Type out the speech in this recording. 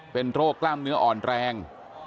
เป็นโรคกล้ามเนื้ออ่อนแรง